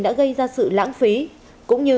đã gây ra sự lãng phí cũng như